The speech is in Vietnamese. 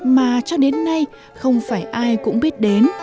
mà cho đến nay không phải ai cũng biết đến